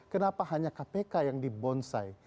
kenapa hanya kpk yang dibonsai